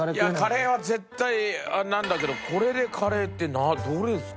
カレーは絶対なんだけどこれでカレーってどれっすか？